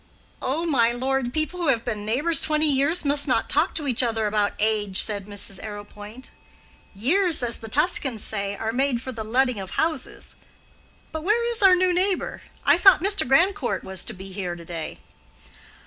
"Oh, my lord, people who have been neighbors twenty years must not talk to each other about age," said Mrs. Arrowpoint. "Years, as the Tuscans say, are made for the letting of houses. But where is our new neighbor? I thought Mr. Grandcourt was to be here to day."